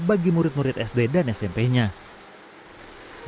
dan juga melakukan peristiwa yang sangat berkesan